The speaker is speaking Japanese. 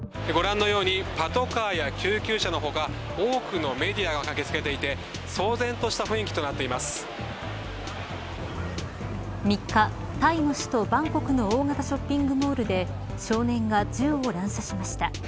ご覧のようにパトカーや救急車の他、多くのメディアが駆け付けていて騒然とした雰囲気と３日、タイの首都バンコクの大型ショッピングモールで少年が銃を乱射しました。